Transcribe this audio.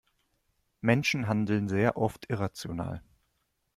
Menschen handeln sehr oft irrational.